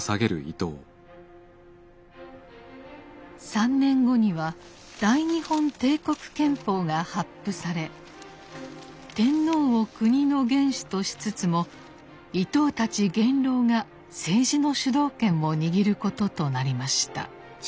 ３年後には大日本帝国憲法が発布され天皇を国の元首としつつも伊藤たち元老が政治の主導権を握ることとなりました。